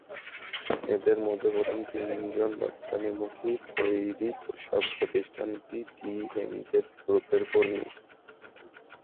এঁদের মধ্যে প্রথম তিনজন রপ্তানিমুখী তৈরি পোশাক প্রতিষ্ঠান টিএনজেড গ্রুপের কর্মী।